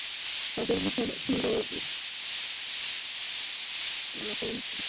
আমাদের ভাষায় সুন্দরীর সহিত স্থিরসৌদামিনীর তুলনা প্রসিদ্ধ আছে।